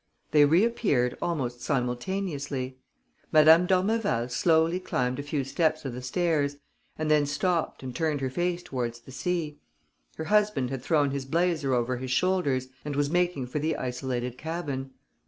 They reappeared almost simultaneously. Madame d'Ormeval slowly climbed a few steps of the stairs and then stopped and turned her face towards the sea. Her husband had thrown his blazer over his shoulders and was making for the isolated cabin.